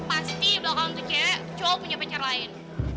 pasti belakang itu cewek cowok punya pacar lain